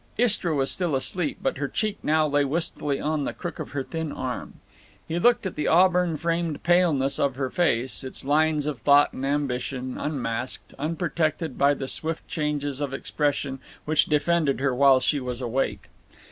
Istra was still asleep, but her cheek now lay wistfully on the crook of her thin arm. He looked at the auburn framed paleness of her face, its lines of thought and ambition, unmasked, unprotected by the swift changes of expression which defended her while she was awake.